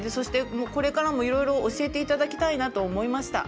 これからも、いろいろ教えていただきたいなと思いました。